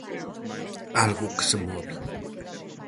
Algo que se move.